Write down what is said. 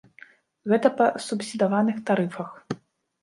Гэта па субсідаваных тарыфах.